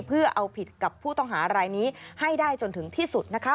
เพื่อเอาผิดกับผู้ต้องหารายนี้ให้ได้จนถึงที่สุดนะคะ